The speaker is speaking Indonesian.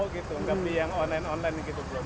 oh gitu nggak beli yang online online gitu bu